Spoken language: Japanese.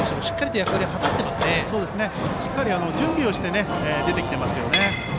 しっかり準備をして出てきていますね。